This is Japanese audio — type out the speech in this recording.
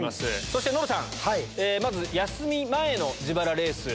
そしてノブさんまず休み前の自腹レース。